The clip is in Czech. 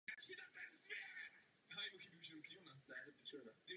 Kdysi před založením Evropské unie probíhala tato koordinace odlišně.